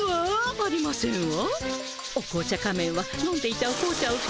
ありませんわ。